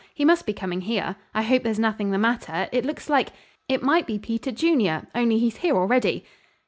He must be coming here. I hope there's nothing the matter. It looks like it might be Peter Junior, only he's here already."